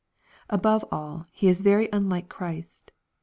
Above all, he is very unlike Christ.